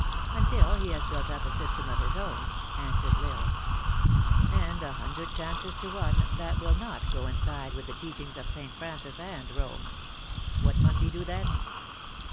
" Until he has built up a system of his own," an swered L Isle. " And, a hundred chances to one, that will not coincide with the teachings of St. Francis and of Home. What must he do, then